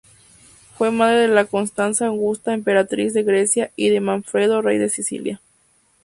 Fue madre de Constanza Augusta Emperatriz de Grecia y de Manfredo rey de Sicilia.